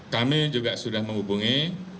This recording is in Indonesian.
kami juga sudah menghubungi